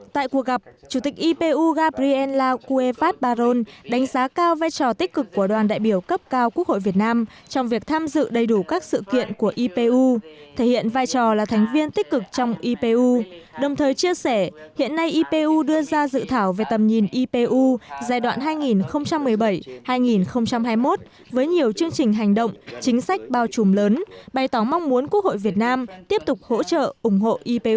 tại cuộc gặp chủ tịch ipu gabriela cuevas baron đánh giá cao vai trò tích cực của đoàn đại biểu cấp cao quốc hội việt nam trong việc tham dự đầy đủ các sự kiện của ipu thể hiện vai trò là thành viên tích cực trong ipu đồng thời chia sẻ hiện nay ipu đưa ra dự thảo về tầm nhìn ipu giai đoạn hai nghìn một mươi bảy hai nghìn hai mươi một với nhiều chương trình hành động chính sách bao trùm lớn bày tỏ mong muốn quốc hội việt nam tiếp tục hỗ trợ ủng hộ